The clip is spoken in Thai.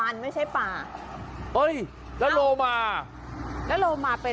นึกไม่เป็น